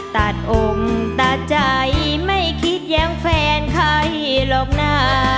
ตัดองค์ตัดใจไม่คิดแย้งแฟนใครหรอกนะ